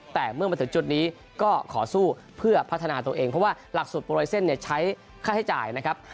แต่เมื่อมาถึงจุดนี้ก็ขอสู้เพื่อพัฒนาตัวเองเพราะว่าหลักสูตรโปรไลเซ็นต์ใช้ค่าใช้จ่ายนะครับ